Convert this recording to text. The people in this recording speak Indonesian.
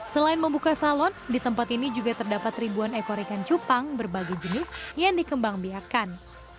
selain membuka salon di tempat ini juga terdapat ribuan ekor ikan cupang berbagai jenis yang dikembang biakan